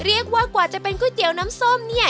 กว่าจะเป็นก๋วยเตี๋ยวน้ำส้มเนี่ย